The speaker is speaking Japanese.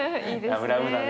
ラブラブだね。